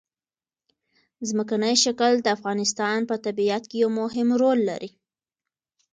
ځمکنی شکل د افغانستان په طبیعت کې یو مهم رول لري.